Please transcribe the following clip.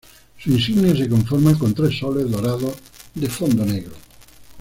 Su insignia se conforma con tres Soles Dorados de Fondo Negro.